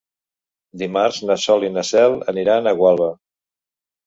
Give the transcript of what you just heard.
Dimarts na Sol i na Cel aniran a Gualba.